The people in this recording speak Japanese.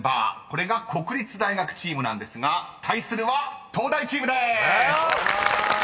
これが国立大学チームなんですが対するは東大チームでーす！］